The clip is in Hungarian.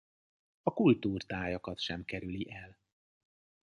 A kultúrtájakat sem kerüli el.